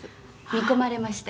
「見込まれまして」